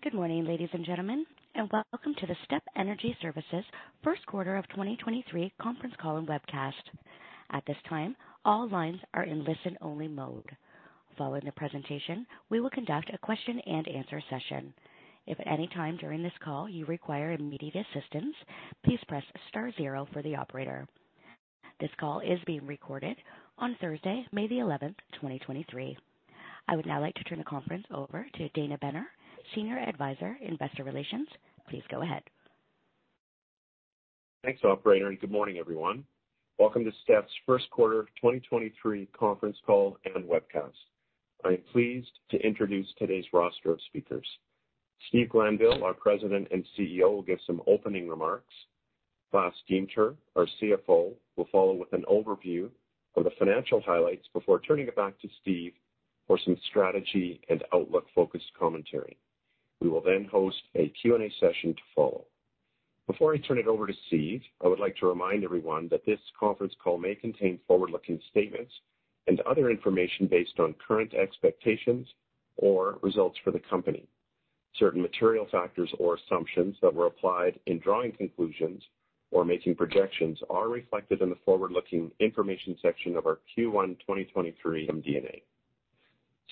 Good morning, ladies and gentlemen, and welcome to the STEP Energy Services first quarter of 2023 conference call and webcast. At this time, all lines are in listen-only mode. Following the presentation, we will conduct a question-and-answer session. If at any time during this call you require immediate assistance, please press *0 for the operator. This call is being recorded on Thursday, May 11th, 2023. I would now like to turn the conference over to Dana Benner, Senior Advisor, Investor Relations. Please go ahead. Thanks, operator. Good morning, everyone. Welcome to STEP's first quarter 2023 conference call and webcast. I am pleased to introduce today's roster of speakers. Steve Glanville, our President and CEO, will give some opening remarks. Klaas Deemter, our CFO, will follow with an overview of the financial highlights before turning it back to Steve for some strategy and outlook-focused commentary. We will host a Q&A session to follow. Before I turn it over to Steve, I would like to remind everyone that this conference call may contain forward-looking statements and other information based on current expectations or results for the company. Certain material factors or assumptions that were applied in drawing conclusions or making projections are reflected in the forward-looking information section of our Q1 2023 MD&A.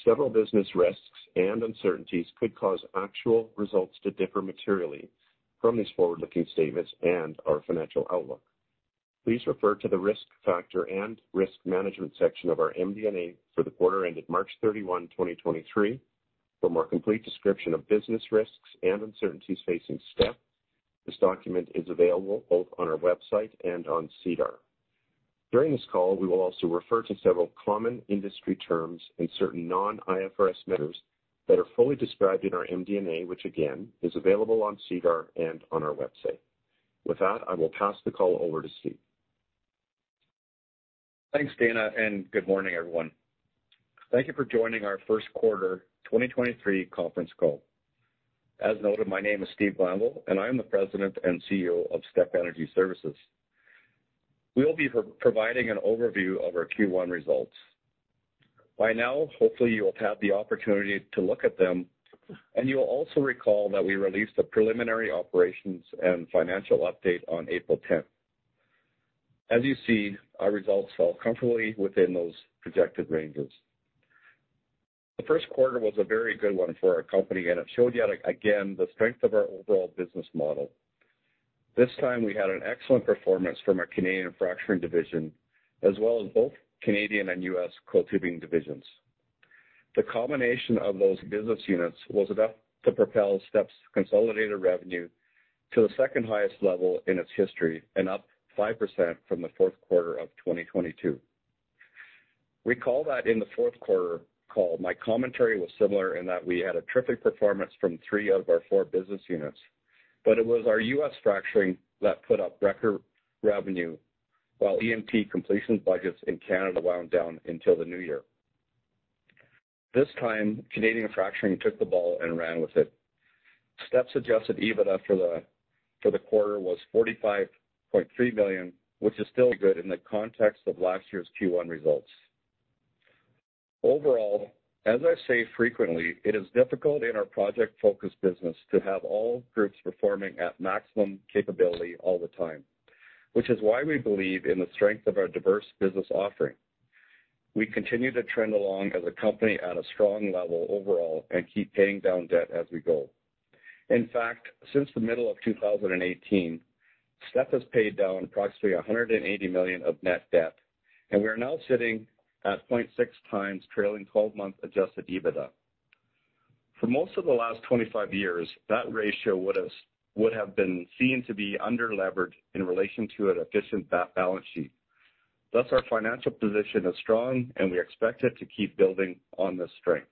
Several business risks and uncertainties could cause actual results to differ materially from these forward-looking statements and our financial outlook. Please refer to the risk factor and risk management section of our MD&A for the quarter ended March 31, 2023 for more complete description of business risks and uncertainties facing Step. This document is available both on our website and on SEDAR. During this call, we will also refer to several common industry terms and certain non-IFRS measures that are fully described in our MD&A, which again is available on SEDAR and on our website. With that, I will pass the call over to Steve. Thanks, Dana. Good morning, everyone. Thank you for joining our first-quarter 2023 conference call. As noted, my name is Steve Glanville, and I am the President and CEO of Step Energy Services. We will be providing an overview of our Q1 results. By now, hopefully, you will have the opportunity to look at them, and you will also recall that we released a preliminary operations and financial update on April 10th. As you see, our results fell comfortably within those projected ranges. The first quarter was a very good one for our company, and it showed yet again the strength of our overall business model. This time we had an excellent performance from our Canadian fracturing division as well as both Canadian and U.S. coil tubing divisions. The combination of those business units was enough to propel Step's consolidated revenue to the second-highest level in its history and up 5% from the fourth quarter of 2022. Recall that in the fourth quarter call, my commentary was similar in that we had a terrific performance from three of our four business units, but it was our U.S. fracturing that put up record revenue while E&P completion budgets in Canada wound down until the new year. This time, Canadian fracturing took the ball and ran with it. Step's adjusted EBITDA for the quarter was 45.3 million, which is still good in the context of last year's Q1 results. Overall, as I say frequently, it is difficult in our project-focused business to have all groups performing at maximum capability all the time, which is why we believe in the strength of our diverse business offering. We continue to trend along as a company at a strong level overall and keep paying down debt as we go. In fact, since the middle of 2018, Step has paid down approximately 180 million of net debt, and we are now sitting at 0.6 times trailing twelve-month adjusted EBITDA. For most of the last 25 years, that ratio would have been seen to be underlevered in relation to an efficient balance sheet. Thus, our financial position is strong, and we expect it to keep building on this strength.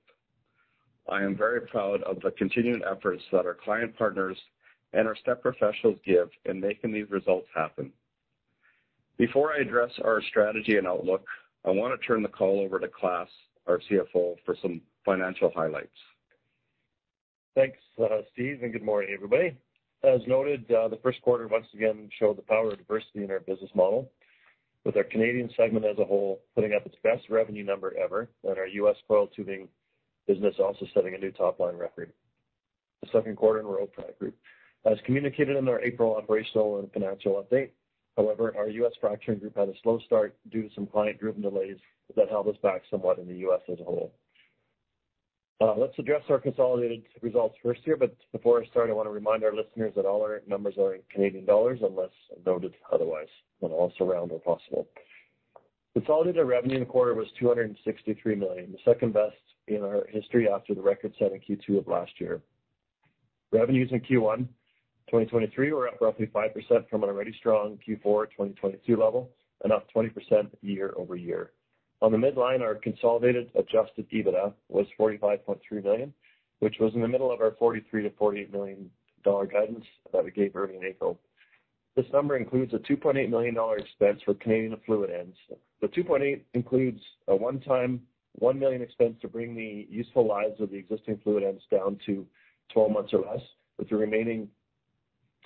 I am very proud of the continuing efforts that our client partners and our STEP professionals give in making these results happen. Before I address our strategy and outlook, I want to turn the call over to Klaas, our CFO, for some financial highlights. Thanks, Steve, and good morning, everybody. As noted, the first quarter once again showed the power of diversity in our business model with our Canadian segment as a whole, putting up its best revenue number ever and our U.S. coiled tubing business also setting a new top-line record. The second quarter in a row product group. As communicated in our April operational and financial update, however, our U.S. fracturing group had a slow start due to some client-driven delays that held us back somewhat in the U.S. as a whole. Let's address our consolidated results first here, but before I start, I wanna remind our listeners that all our numbers are in Canadian dollars unless noted otherwise, and also round where possible. Consolidated revenue in the quarter was 263 million, the second best in our history after the record set in Q2 of last year. Revenues in Q1 2023 were up roughly 5% from an already strong Q4 2022 level and up 20% year-over-year. On the midline, our consolidated adjusted EBITDA was 45.3 million, which was in the middle of our 43 million-48 million dollar guidance that we gave early in April. This number includes a 2.8 million dollar expense for Canadian fluid ends. The 2.8 includes a one-time 1 million expense to bring the useful lives of the existing fluid ends down to 12 months or less, with the remaining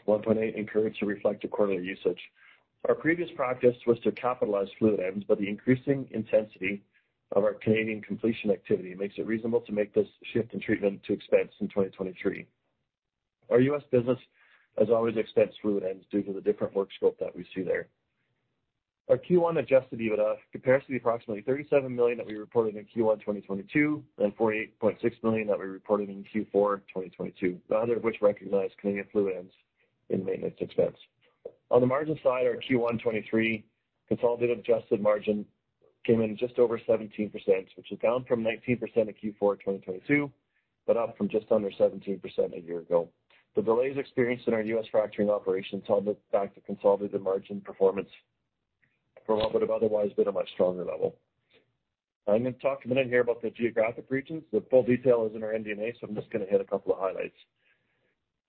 1.8 encouraged to reflect the quarterly usage. Our previous practice was to capitalize fluid ends. The increasing intensity of our Canadian completion activity makes it reasonable to make this shift in treatment to expense in 2023. Our U.S. business has always expensed fluid ends due to the different work scope that we see there. Our Q1 adjusted EBITDA compares to the approximately 37 million that we reported in Q1 2022 and 48.6 million that we reported in Q4 2022, neither of which recognized Canadian fluid ends in maintenance expense. On the margin side, our Q1 2023 consolidated adjusted margin came in just over 17%, which is down from 19% in Q4 2022, but up from just under 17% a year ago. The delays experienced in our U.S. fracturing operations held us back to consolidated margin performance from what would have otherwise been a much stronger level. I'm gonna talk a minute here about the geographic regions. The full detail is in our MD&A, so I'm just gonna hit a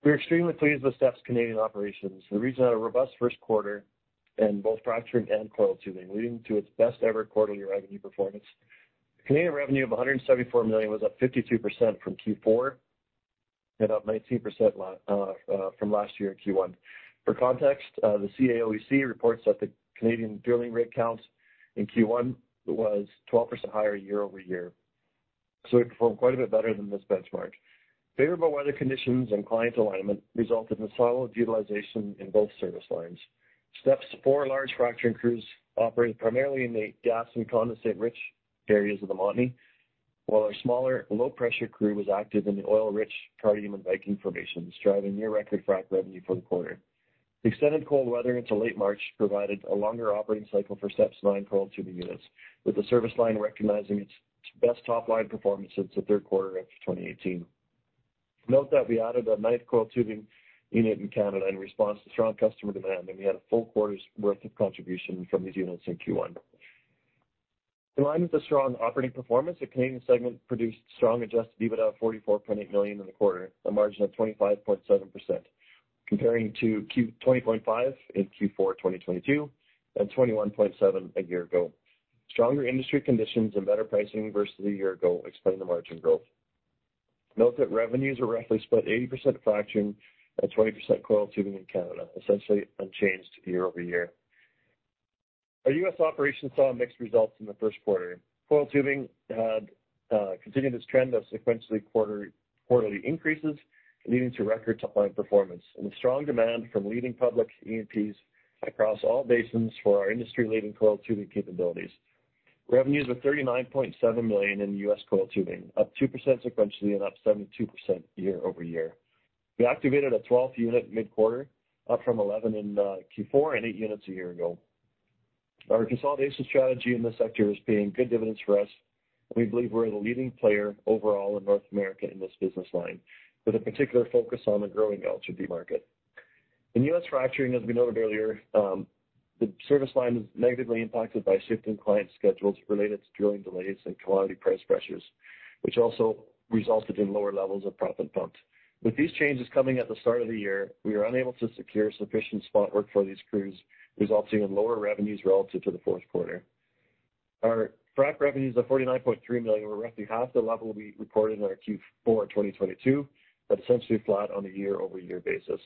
couple of highlights. We're extremely pleased with STEP's Canadian operations. The region had a robust first quarter in both fracturing and coiled tubing, leading to its best-ever quarterly revenue performance. Canadian revenue of 174 million was up 52% from Q4 and up 19% from last year in Q1. For context, the CAOEC reports that the Canadian drilling rig count in Q1 was 12% higher year-over-year. It performed quite a bit better than this benchmark. Favorable weather conditions and client alignment resulted in solid utilization in both service lines. STEP's four large fracturing crews operated primarily in the gas and condensate-rich areas of the Montney, while our smaller low-pressure crew was active in the oil-rich Cardium and Viking formations, driving near-record frac revenue for the quarter. The extended cold weather into late March provided a longer operating cycle for STEP's nine coiled tubing units, with the service line recognizing its best top-line performance since the third quarter of 2018. Note that we added a ninth coiled tubing unit in Canada in response to strong customer demand, and we had a full quarter's worth of contribution from these units in Q1. In line with the strong operating performance, the Canadian segment produced strong adjusted EBITDA of 44.8 million in the quarter, a margin of 25.7%, comparing to 20.5% in Q4 2022 and 21.7% a year ago. Stronger industry conditions and better pricing versus a year ago explain the margin growth. Note that revenues are roughly split 80% fracturing and 20% coil tubing in Canada, essentially unchanged year-over-year. Our U.S. operations saw mixed results in the first quarter. Coil tubing continued its trend of sequentially quarterly increases, leading to record top-line performance and strong demand from leading public E&Ps across all basins for our industry-leading coil tubing capabilities. Revenues were $39.7 million in U.S. coil tubing, up 2% sequentially and up 72% year-over-year. We activated a 12th unit mid-quarter, up from 11 in Q4 and eight units a year ago. Our consolidation strategy in this sector is paying good dividends for us, and we believe we're the leading player overall in North America in this business line, with a particular focus on the growing LHD market. In US fracturing, as we noted earlier, the service line was negatively impacted by shift in client schedules related to drilling delays and commodity price pressures, which also resulted in lower levels of proppant pumped. With these changes coming at the start of the year, we were unable to secure sufficient spot work for these crews, resulting in lower revenues relative to the fourth quarter. Our frac revenues of 49.3 million were roughly half the level we reported in our Q4 2022, but essentially flat on a year-over-year basis.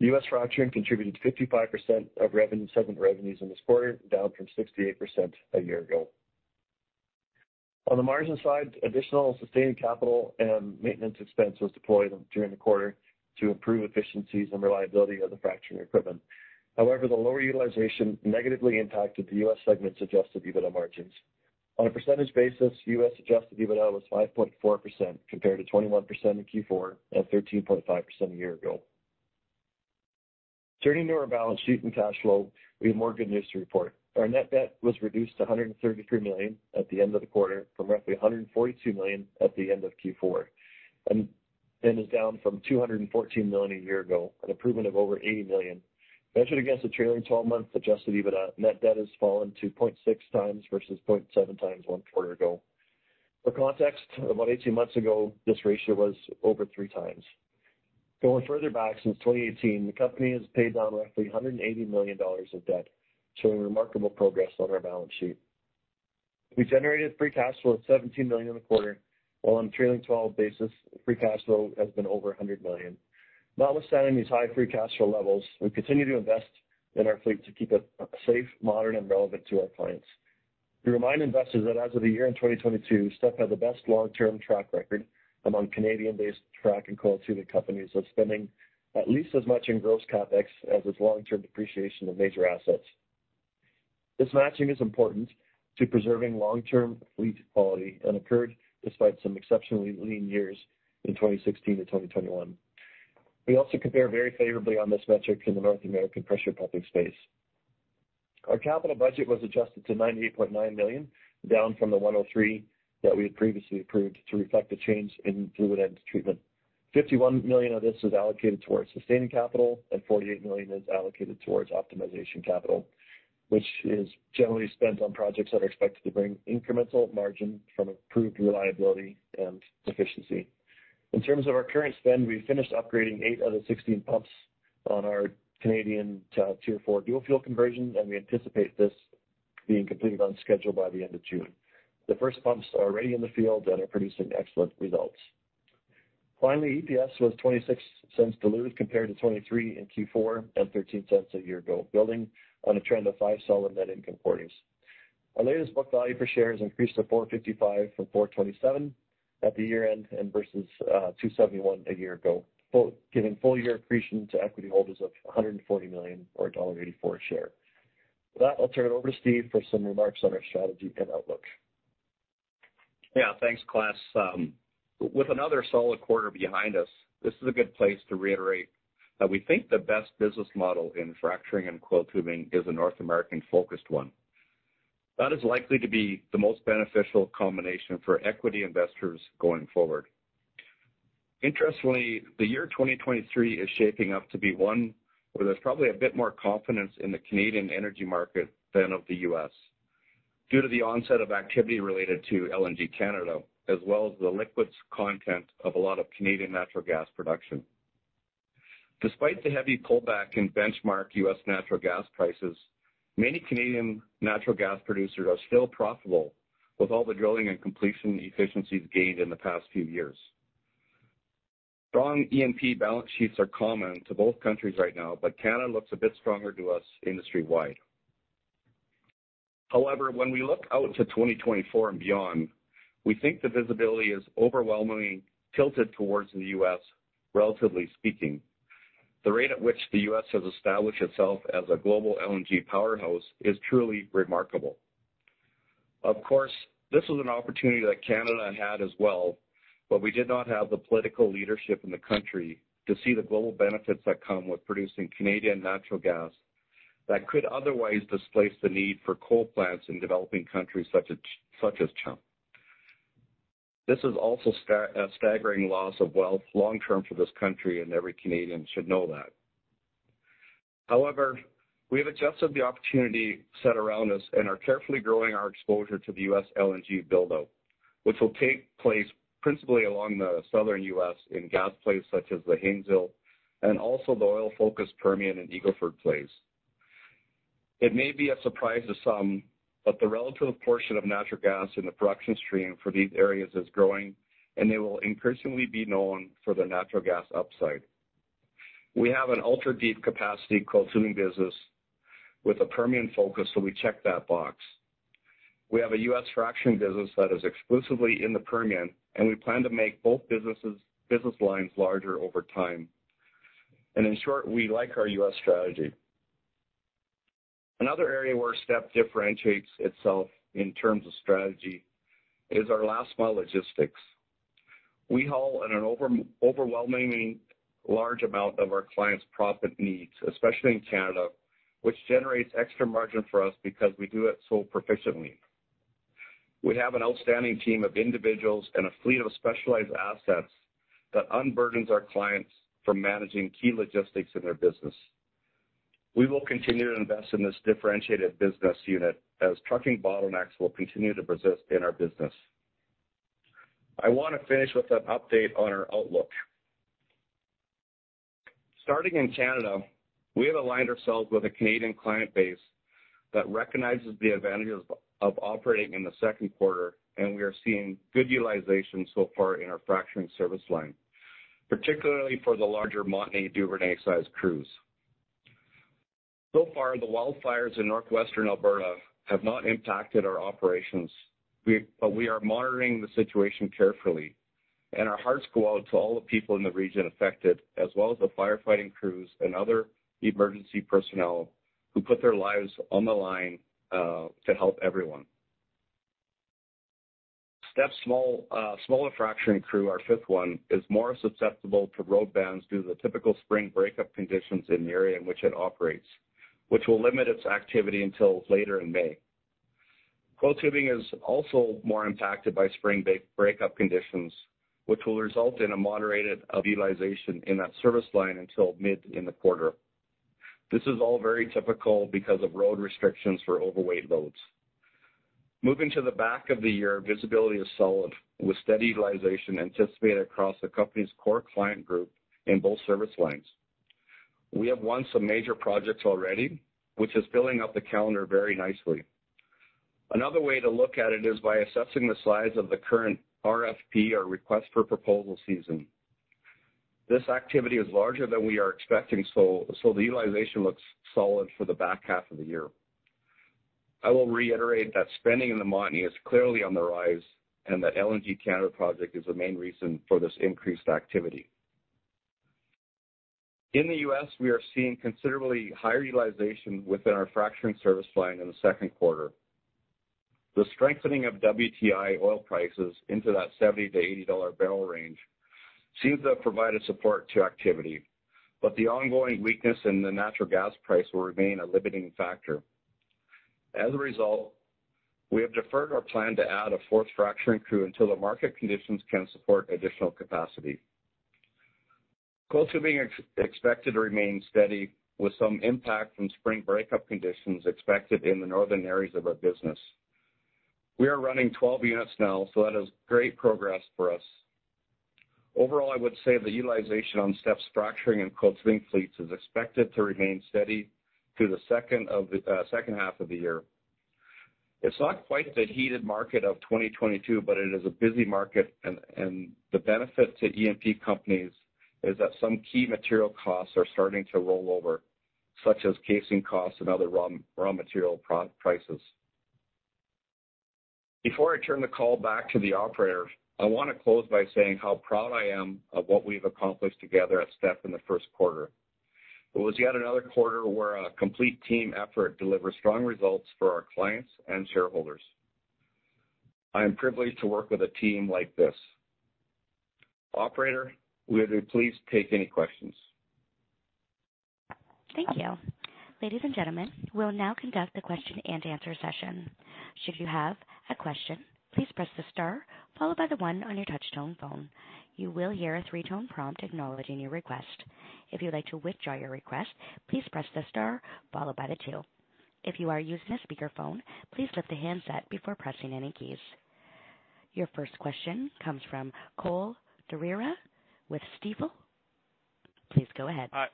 US fracturing contributed 55% of segment revenues in this quarter, down from 68% a year ago. On the margin side, additional sustained capital and maintenance expense was deployed during the quarter to improve efficiencies and reliability of the fracturing equipment. The lower utilization negatively impacted the US segment's adjusted EBITDA margins. On a percentage basis, U.S. adjusted EBITDA was 5.4% compared to 21% in Q4 and 13.5% a year ago. Turning to our balance sheet and cash flow, we have more good news to report. Our net debt was reduced to 133 million at the end of the quarter from roughly 142 million at the end of Q4 and is down from 214 million a year ago, an improvement of over 80 million. Measured against the trailing twelve-month adjusted EBITDA, net debt has fallen to 0.6xversus 0.7xone quarter ago. For context, about 18 months ago, this ratio was over 3x. Going further back, since 2018, the company has paid down roughly 180 million dollars of debt, showing remarkable progress on our balance sheet. We generated free cash flow of 17 million in the quarter, while on a trailing 12 basis, free cash flow has been over 100 million. Notwithstanding these high free cash flow levels, we continue to invest in our fleet to keep it safe, modern and relevant to our clients. We remind investors that as of the year-end 2022, STEP had the best long-term track record among Canadian-based frac and coil tubing companies of spending at least as much in gross CapEx as its long-term depreciation of major assets. This matching is important to preserving long-term fleet quality and occurred despite some exceptionally lean years in 2016 to 2021. We also compare very favorably on this metric in the North American pressure pumping space. Our capital budget was adjusted to 98.9 million, down from the 103 million that we had previously approved to reflect the change in fluid end treatment. 51 million of this is allocated towards sustaining capital, and 48 million is allocated towards optimization capital, which is generally spent on projects that are expected to bring incremental margin from improved reliability and efficiency. In terms of our current spend, we finished upgrading 8 of the 16 pumps on our Canadian Tier 4 dual-fuel conversion, and we anticipate this being completed on schedule by the end of June. The first pumps are already in the field and are producing excellent results. Finally, EPS was 0.26 diluted compared to 0.23 in Q4 and 0.13 a year ago, building on a trend of 5 solid net income quarters. Our latest book value per share has increased to 4.55 from 4.27 at the year-end and versus 2.71 a year ago, giving full year accretion to equity holders of 140 million or CAD 1.84 a share. With that, I'll turn it over to Steve for some remarks on our strategy and outlook. Yeah. Thanks, Klaas. With another solid quarter behind us, this is a good place to reiterate that we think the best business model in fracturing and coiled tubing is a North American-focused one. That is likely to be the most beneficial combination for equity investors going forward. Interestingly, the year 2023 is shaping up to be one where there's probably a bit more confidence in the Canadian energy market than of the U.S. due to the onset of activity related to LNG Canada, as well as the liquids content of a lot of Canadian natural gas production. Despite the heavy pullback in benchmark U.S. natural gas prices, many Canadian natural gas producers are still profitable with all the drilling and completion efficiencies gained in the past few years. Strong E&P balance sheets are common to both countries right now, but Canada looks a bit stronger to us industry-wide. However, when we look out to 2024 and beyond, we think the visibility is overwhelmingly tilted towards the U.S., relatively speaking. The rate at which the US has established itself as a global LNG powerhouse is truly remarkable. Of course, this was an opportunity that Canada had as well, but we did not have the political leadership in the country to see the global benefits that come with producing Canadian natural gas that could otherwise displace the need for coal plants in developing countries such as China. This is also a staggering loss of wealth long term for this country, and every Canadian should know that. However, we have adjusted the opportunity set around us and are carefully growing our exposure to the U.S. LNG build-out, which will take place principally along the Southern U.S. in gas plays such as the Haynesville and also the oil-focused Permian and Eagle Ford plays. It may be a surprise to some, but the relative portion of natural gas in the production stream for these areas is growing, and they will increasingly be known for their natural gas upside. We have an ultra-deep capacity coiled tubing business with a Permian focus, so we check that box. We have a U.S. fracturing business that is exclusively in the Permian, and we plan to make both business lines larger over time. In short, we like our U.S. strategy. Another area where Step differentiates itself in terms of strategy is our last mile logistics. We haul an overwhelmingly large amount of our clients' profit needs, especially in Canada, which generates extra margin for us because we do it so proficiently. We have an outstanding team of individuals and a fleet of specialized assets that unburdens our clients from managing key logistics in their business. We will continue to invest in this differentiated business unit as trucking bottlenecks will continue to persist in our business. I wanna finish with an update on our outlook. Starting in Canada, we have aligned ourselves with a Canadian client base that recognizes the advantages of operating in the second quarter. We are seeing good utilization so far in our fracturing service line, particularly for the larger Montney-Duvernay sized crews. The wildfires in Northwestern Alberta have not impacted our operations. We are monitoring the situation carefully, and our hearts go out to all the people in the region affected as well as the firefighting crews and other emergency personnel who put their lives on the line to help everyone. Step's small, smaller fracturing crew, our fifth one, is more susceptible to road bans due to the typical spring breakup conditions in the area in which it operates, which will limit its activity until later in May. Coiled tubing is also more impacted by spring breakup conditions, which will result in a moderated utilization in that service line until mid in the quarter. This is all very typical because of road restrictions for overweight loads. Moving to the back of the year, visibility is solid with steady utilization anticipated across the company's core client group in both service lines. We have won some major projects already, which is filling up the calendar very nicely. Another way to look at it is by assessing the size of the current RFP or request for proposal season. This activity is larger than we are expecting, so the utilization looks solid for the back half of the year. I will reiterate that spending in the Montney is clearly on the rise, and the LNG Canada project is the main reason for this increased activity. In the U.S., we are seeing considerably higher utilization within our fracturing service line in the second quarter. The strengthening of WTI oil prices into that $70-$80 barrel range seems to have provided support to activity, but the ongoing weakness in the natural gas price will remain a limiting factor. As a result, we have deferred our plan to add a 4th fracturing crew until the market conditions can support additional capacity. coiled tubing expected to remain steady with some impact from spring breakup conditions expected in the northern areas of our business. We are running 12 units now, that is great progress for us. I would say the utilization on STEP's fracturing and coiled tubing fleets is expected to remain steady through the second half of the year. It's not quite the heated market of 2022, it is a busy market and the benefit to E&P companies is that some key material costs are starting to roll over, such as casing costs and other raw material prices. Before I turn the call back to the Operator, I wanna close by saying how proud I am of what we've accomplished together at STEP in the first quarter. It was yet another quarter where a complete team effort delivered strong results for our clients and shareholders. I am privileged to work with a team like this. Operator, would you please take any questions? Thank you. Ladies and gentlemen, we'll now conduct a question and answer session. Should you have a question, please press the star followed by the one on your touchtone phone. You will hear a three-tone prompt acknowledging your request. If you'd like to withdraw your request, please press the star followed by the two. If you are using a speakerphone, please lift the handset before pressing any keys. Your first question comes from Cole McGill with Stifel. Please go ahead. Hi.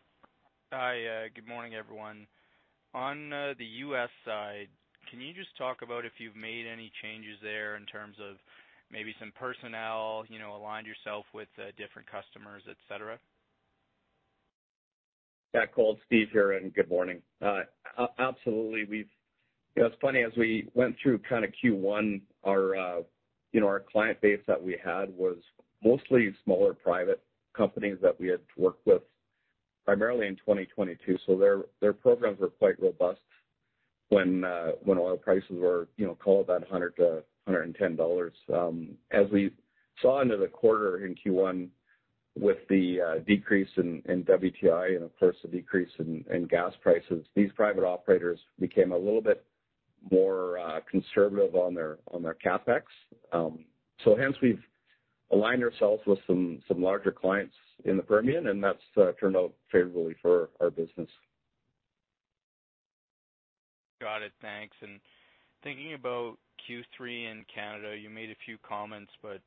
Hi, good morning, everyone. On the U.S. side, can you just talk about if you've made any changes there in terms of maybe some personnel, you know, aligned yourself with different customers, et cetera? Yeah, Cole, Steve here, good morning. Absolutely, we've. You know, it's funny, as we went through kinda Q1, our, you know, our client base that we had was mostly smaller private companies that we had worked with primarily in 2022. Their programs were quite robust when oil prices were, you know, call it about $100-$110. As we saw into the quarter in Q1 with the decrease in WTI and of course the decrease in gas prices, these private operators became a little bit more conservative on their CapEx. Hence we've aligned ourselves with some larger clients in the Permian, and that's turned out favorably for our business. Got it. Thanks. Thinking about Q3 in Canada, you made a few comments, but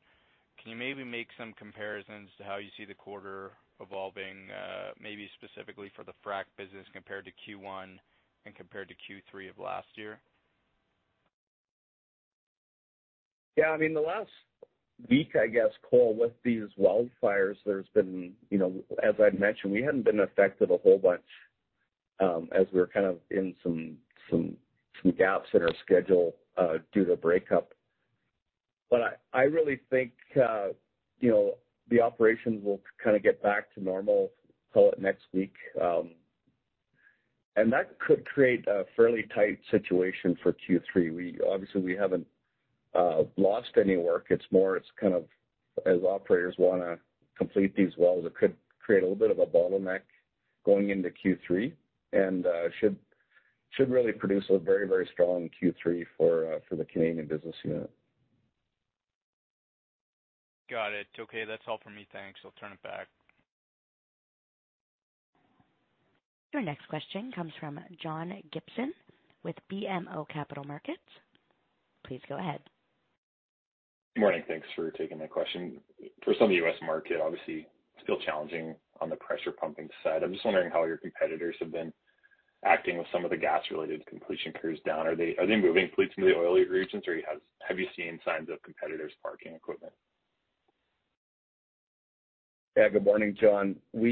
can you maybe make some comparisons to how you see the quarter evolving, maybe specifically for the frack business compared to Q1 and compared to Q3 of last year? Yeah. I mean, the last week, I guess, Cole, with these wildfires, there's been, you know, as I'd mentioned, we hadn't been affected a whole bunch, as we were kind of in some gaps in our schedule, due to breakup. I really think, you know, the operations will kinda get back to normal, call it next week. That could create a fairly tight situation for Q3. Obviously, we haven't lost any work. It's more, it's kind of as operators wanna complete these wells, it could create a little bit of a bottleneck going into Q3 and should really produce a very, very strong Q3 for the Canadian business unit. Got it. Okay. That's all for me. Thanks. I'll turn it back. Your next question comes from John Gibson with BMO Capital Markets. Please go ahead. Good morning. Thanks for taking my question. For some of the U.S. market, obviously still challenging on the pressure pumping side. I'm just wondering how your competitors have been acting with some of the gas-related completion crews down? Are they moving fleets into the oilier regions or have you seen signs of competitors parking equipment? Yeah. Good morning, John. You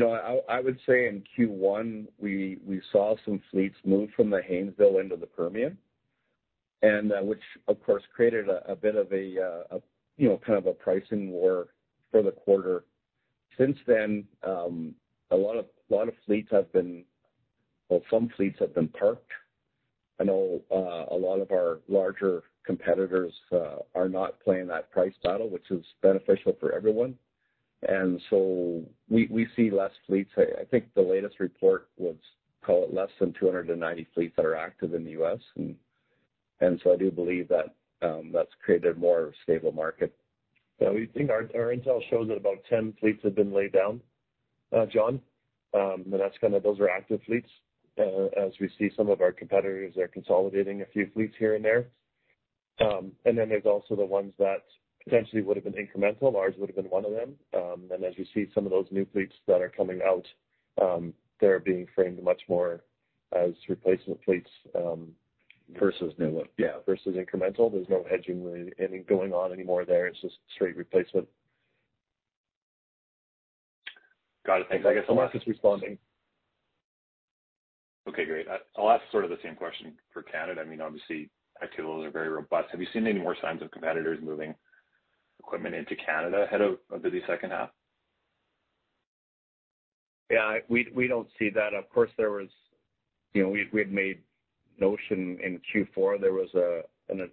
know, I would say in Q1, we saw some fleets move from the Haynesville into the Permian, which of course created a bit of a, you know, kind of a pricing war for the quarter. Since then, Well, some fleets have been parked. I know a lot of our larger competitors are not playing that price battle, which is beneficial for everyone. We see less fleets. I think the latest report was, call it, less than 290 fleets that are active in the U.S. I do believe that's created a more stable market. Yeah. We think our intel shows that about ten fleets have been laid down, John. Those are active fleets. As we see some of our competitors are consolidating a few fleets here and there. There's also the ones that potentially would've been incremental. Ours would've been one of them. As you see some of those new fleets that are coming out, they're being framed much more as replacement fleets. Versus new. Versus incremental. There's no hedging with any going on anymore there. It's just straight replacement. Got it. Thanks so much. I guess the market's responding. Okay, great. I'll ask sort of the same question for Canada. I mean, obviously, activities are very robust. Have you seen any more signs of competitors moving equipment into Canada ahead of the second half? Yeah. We don't see that. Of course, You know, we had made notion in Q4, there was an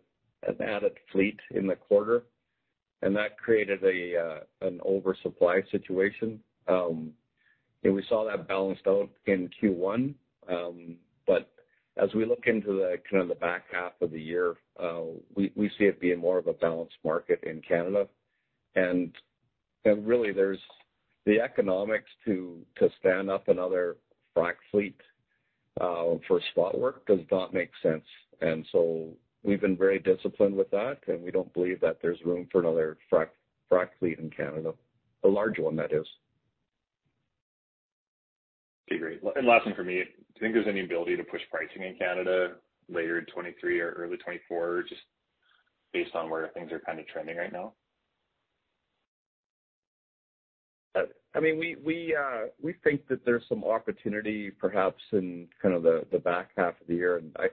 added fleet in the quarter. That created an oversupply situation. We saw that balanced out in Q1. As we look into the kind of the back half of the year, we see it being more of a balanced market in Canada. Really there's the economics to stand up another frack fleet for spot work does not make sense. We've been very disciplined with that, and we don't believe that there's room for another frac fleet in Canada, a large one that is. Okay, great. Last one for me. Do you think there's any ability to push pricing in Canada later in 2023 or early 2024 just based on where things are kind of trending right now? I mean, we think that there's some opportunity perhaps in kind of the back half of the year. I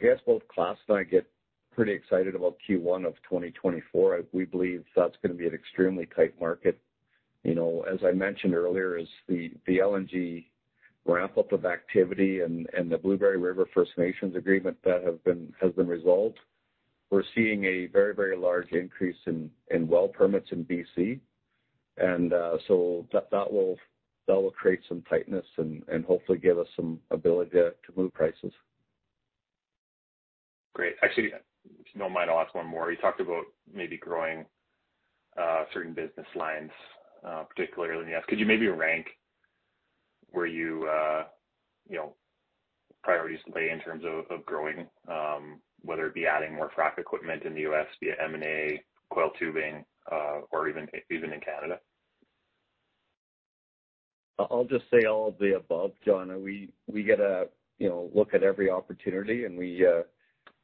guess both Klaas and I get pretty excited about Q1 of 2024. We believe that's gonna be an extremely tight market. You know, as I mentioned earlier, as the LNG ramp-up of activity and the Blueberry River First Nations agreement that has been resolved, we're seeing a very large increase in well permits in BC. So that will create some tightness and hopefully give us some ability to move prices. Great. Actually, if you don't mind, I'll ask one more. You talked about maybe growing certain business lines, particularly in the US. Could you maybe rank where you know, priorities lay in terms of growing, whether it be adding more frac equipment in the US via M&A, coiled tubing, or even in Canada? I'll just say all of the above, John. We get a, you know, look at every opportunity and we,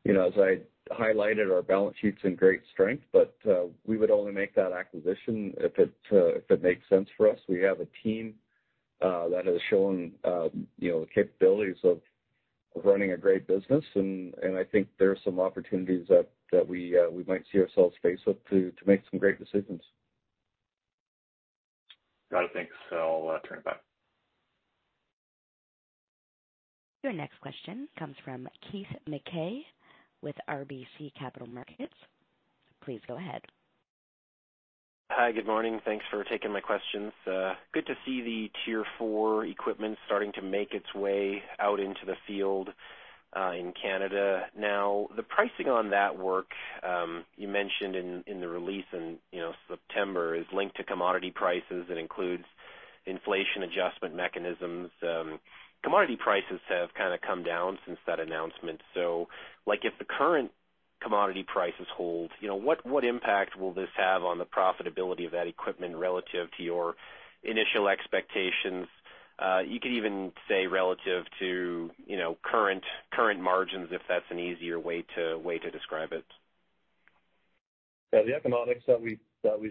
you know, as I highlighted our balance sheet's in great strength. We would only make that acquisition if it makes sense for us. We have a team that has shown, you know, capabilities of running a great business. I think there are some opportunities that we might see ourselves face with to make some great decisions. Got it. Thanks. I'll turn it back. Your next question comes from Keith Mackey with RBC Capital Markets. Please go ahead. Hi. Good morning. Thanks for taking my questions. Good to see the Tier 4 equipment starting to make its way out into the field in Canada. The pricing on that work you mentioned in the release in September is linked to commodity prices. It includes inflation adjustment mechanisms. Commodity prices have kind of come down since that announcement. Like if the current commodity prices hold, you know, what impact will this have on the profitability of that equipment relative to your initial expectations? You could even say relative to, you know, current margins, if that's an easier way to describe it. Yeah. The economics that we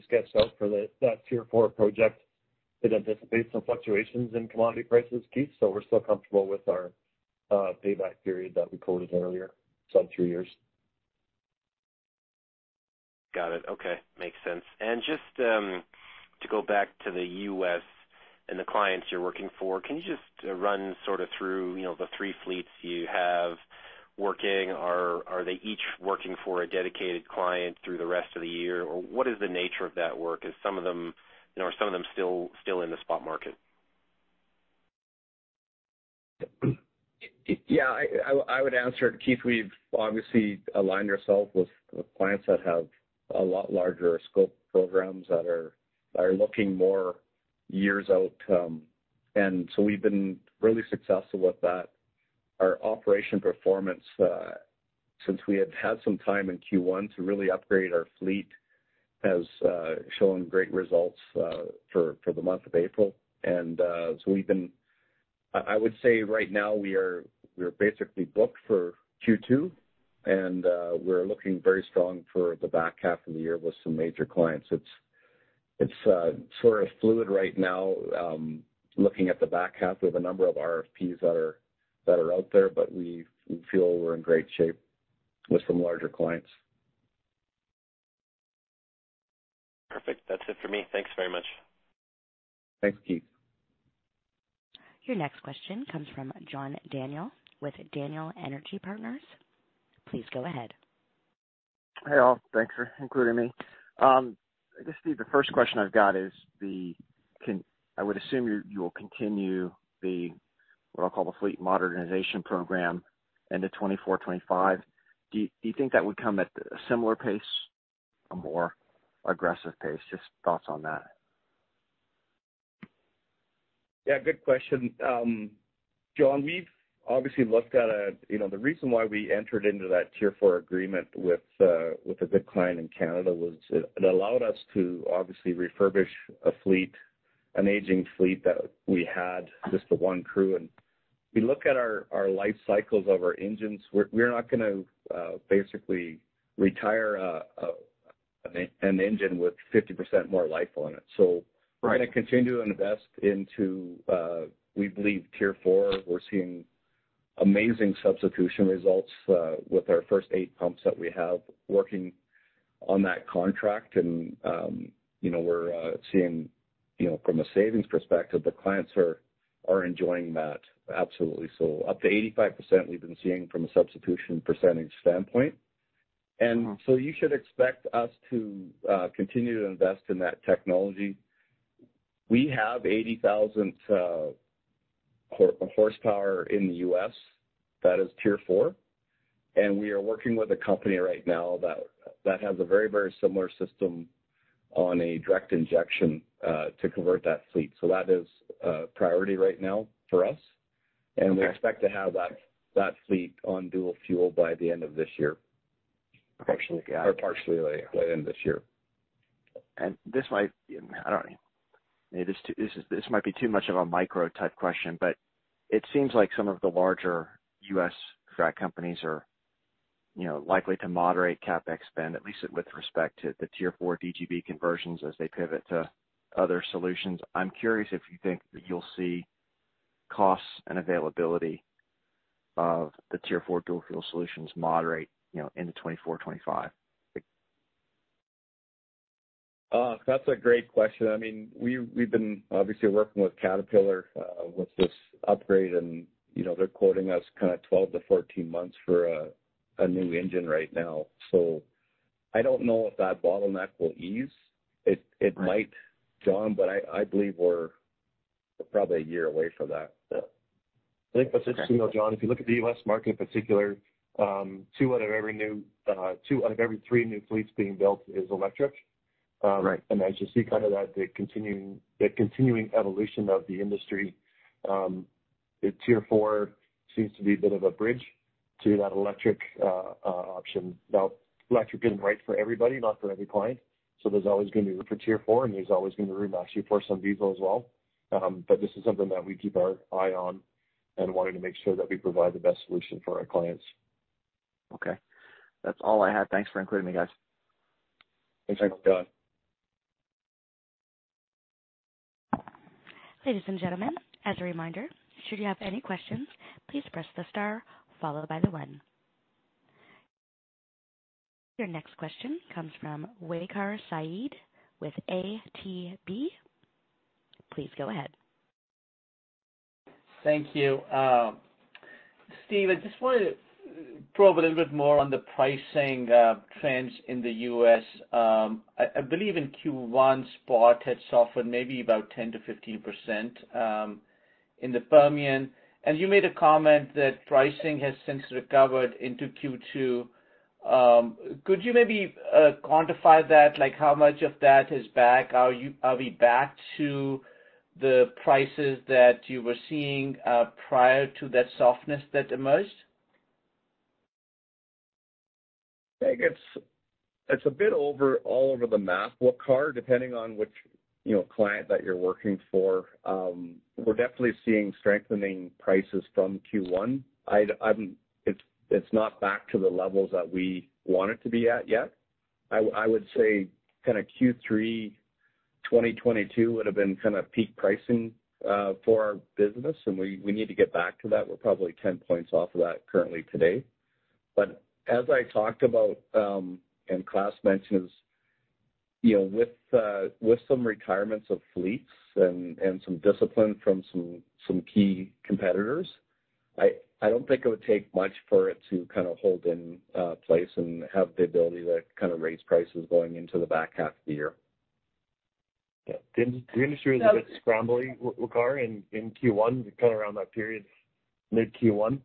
sketched out that Tier 4 project, it anticipates some fluctuations in commodity prices, Keith. We're still comfortable with our payback period that we quoted earlier, sub three years. Got it. Okay. Makes sense. Just to go back to the U.S. and the clients you're working for, can you just run sort of through, you know, the three fleets you have working? Are they each working for a dedicated client through the rest of the year? Or what is the nature of that work? Is some of them, you know, are some of them still in the spot market? I would answer it, Keith. We've obviously aligned ourselves with clients that have a lot larger scope programs that are looking more years out. We've been really successful with that. Our operation performance, since we have had some time in Q1 to really upgrade our fleet, has shown great results for the month of April. I would say right now we're basically booked for Q2, and we're looking very strong for the back half of the year with some major clients. It's sort of fluid right now. Looking at the back half, we have a number of RFPs that are out there, but we feel we're in great shape with some larger clients. Perfect. That's it for me. Thanks very much. Thanks, Keith. Your next question comes from John Daniel with Daniel Energy Partners. Please go ahead. Hey, all. Thanks for including me. I guess the first question I've got is I would assume you will continue the, what I'll call the fleet modernization program into 2024, 2025. Do you think that would come at a similar pace, a more aggressive pace? Just thoughts on that. Yeah, good question. John, we've obviously looked at a, you know, the reason why we entered into that Tier Four agreement with a big client in Canada was it allowed us to obviously refurbish a fleet, an aging fleet that we had, just the one crew. We look at our life cycles of our engines. We're not gonna basically retire an engine with 50% more life on it. we're gonna continue to invest into, we believe Tier Four. We're seeing amazing substitution results with our first eight pumps that we have working on that contract. You know, we're seeing, you know, from a savings perspective, the clients are enjoying that absolutely. Up to 85% we've been seeing from a substitution percentage standpoint. Wow. You should expect us to continue to invest in that technology. We have 80,000 hp in the U.S. that is Tier 4. We are working with a company right now that has a very similar system on a direct injection to convert that fleet. That is a priority right now for us. Okay. We expect to have that fleet on dual-fuel by the end of this year. Okay. Got it. Partially by the end of this year. I don't know. Maybe this might be too much of a micro type question, but it seems like some of the larger U.S. frac companies are, you know, likely to moderate CapEx spend, at least with respect to the Tier 4 DGB conversions as they pivot to other solutions. I'm curious if you think that you'll see costs and availability of the Tier 4 dual-fuel solutions moderate, you know, into 2024/2025? That's a great question. I mean, we've been obviously working with Caterpillar, with this upgrade and, you know, they're quoting us kinda 12 to 14 months for a new engine right now. I don't know if that bottleneck will ease. It might. Right. John, I believe we're probably a year away from that, yeah. Okay. I think what's interesting though, John, if you look at the U.S. market in particular, two out of every three new fleets being built is electric. Right. As you see kind of that, the continuing evolution of the industry, the Tier 4 seems to be a bit of a bridge to that electric option. Now, electric isn't right for everybody, not for every client. There's always gonna be room for Tier 4, and there's always gonna be room actually for some diesel as well. This is something that we keep our eye on and wanting to make sure that we provide the best solution for our clients. Okay. That's all I had. Thanks for including me, guys. Thanks, John. Thanks, John. Ladies and gentlemen, as a reminder, should you have any questions, please press the star followed by the one. Your next question comes from Waqar Syed with ATB. Please go ahead. Thank you. Steve, I just wanted to probe a little bit more on the pricing trends in the U.S. I believe in Q1, spot had softened maybe about 10%-15% in the Permian, and you made a comment that pricing has since recovered into Q2. Could you maybe quantify that? Like, how much of that is back? Are we back to the prices that you were seeing prior to that softness that emerged? I think it's a bit over, all over the map, Waqar, depending on which, you know, client that you're working for. We're definitely seeing strengthening prices from Q1. It's not back to the levels that we want it to be at yet. I would say kinda Q3 2022 would've been kinda peak pricing for our business, and we need to get back to that. We're probably 10 points off of that currently today. As I talked about, and Klaas mentions, you know, with some retirements of fleets and some discipline from some key competitors, I don't think it would take much for it to kind of hold in place and have the ability to kind of raise prices going into the back half of the year. Yeah. The, the industry was a bit scrambly, Waqar, in Q1, kind of around that period mid Q1.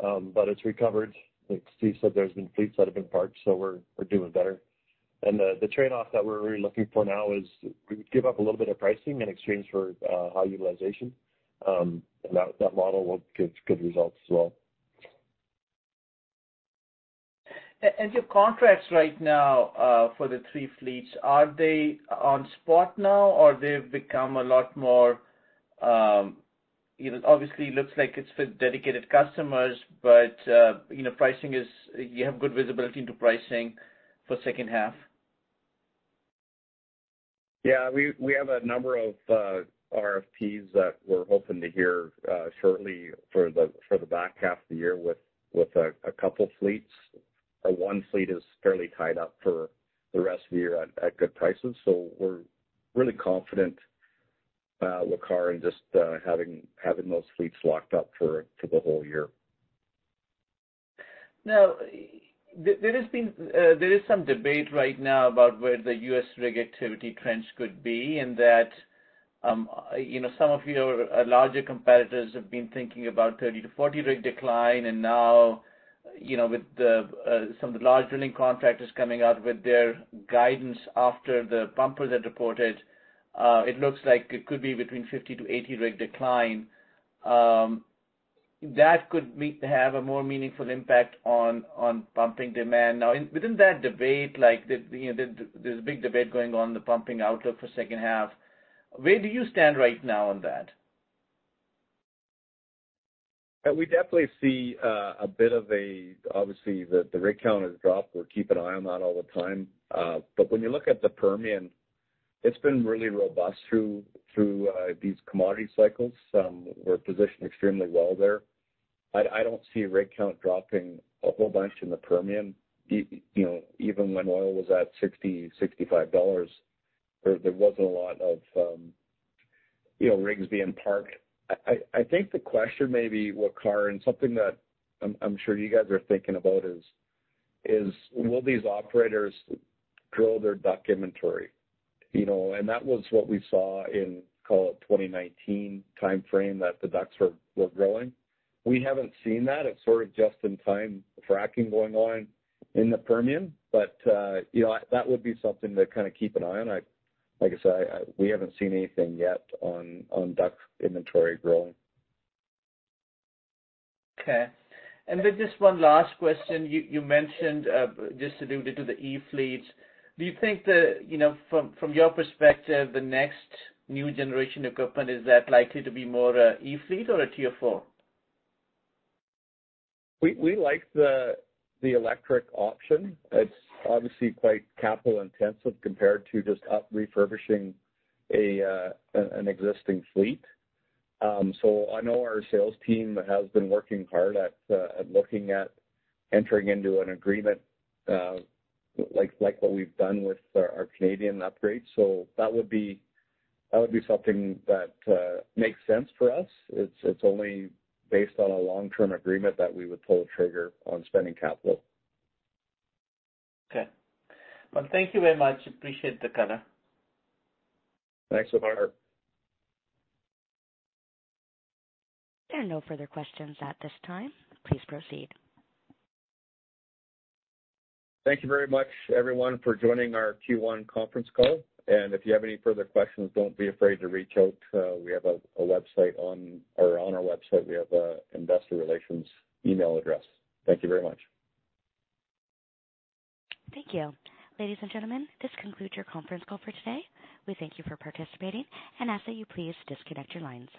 It's recovered. Like Steve said, there's been fleets that have been parked, so we're doing better. The, the trade-off that we're really looking for now is we give up a little bit of pricing in exchange for high utilization, and that model will give good results as well. Your contracts right now, for the three fleets, are they on spot now, or they've become a lot more, you know, obviously it looks like it's with dedicated customers but, you know, you have good visibility into pricing for second half? Yeah. We have a number of RFPs that we're hoping to hear shortly for the back half of the year with a couple fleets. One fleet is fairly tied up for the rest of the year at good prices. We're really confident Waqar, in just having those fleets locked up for the whole year. There is some debate right now about where the U.S. rig activity trends could be and that, you know, some of your larger competitors have been thinking about 30-40 rig decline. You know, with the some of the large drilling contractors coming out with their guidance after the pumpers had reported, it looks like it could be between 50-80 rig decline. That could meet to have a more meaningful impact on pumping demand. Within that debate, like, you know, there's a big debate going on the pumping outlook for second half, where do you stand right now on that? We definitely see, obviously the rig count has dropped. We'll keep an eye on that all the time. When you look at the Permian, it's been really robust through these commodity cycles. We're positioned extremely well there. I don't see rig count dropping a whole bunch in the Permian. You know, even when oil was at $60-$65, there wasn't a lot of, you know, rigs being parked. I think the question may be, Waqar, and something that I'm sure you guys are thinking about is, will these operators grow their DUC inventory? You know, that was what we saw in, call it, 2019 timeframe that the DUCs were growing. We haven't seen that. It's sort of just in time fracking going on in the Permian. You know, that would be something to kind of keep an eye on. Like I said, we haven't seen anything yet on DUC inventory growing. Okay. Just one last question. You mentioned, just alluded to the e-fleets. Do you think that, you know, from your perspective, the next new generation equipment, is that likely to be more a e-fleet or a Tier 4? We like the electric option. It's obviously quite capital intensive compared to just refurbishing an existing fleet. I know our sales team has been working hard at looking at entering into an agreement, like what we've done with our Canadian upgrades. That would be something that makes sense for us. It's only based on a long-term agreement that we would pull the trigger on spending capital. Okay. Well, thank you very much. Appreciate the color. Thanks, Waqar. There are no further questions at this time. Please proceed. Thank you very much, everyone, for joining our Q1 conference call. If you have any further questions, don't be afraid to reach out. On our website, we have an investor relations email address. Thank you very much. Thank you. Ladies and gentlemen, this concludes your conference call for today. We thank you for participating and ask that you please disconnect your lines.